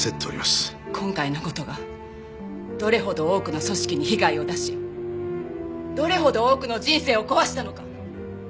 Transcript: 今回の事がどれほど多くの組織に被害を出しどれほど多くの人生を壊したのか。